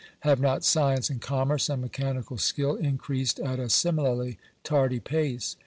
Have not science and commerce and mechanical skill increased at a similarly tardy pace